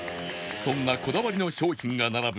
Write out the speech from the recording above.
そんなこだわりの商品が並ぶ